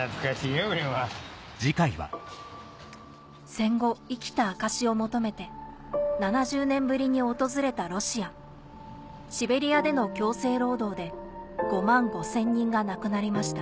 戦後生きた証しを求めて７０年ぶりに訪れたロシアシベリアでの強制労働で５万５０００人が亡くなりました